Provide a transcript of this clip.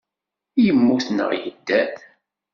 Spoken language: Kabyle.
Yemmut neɣ yedder?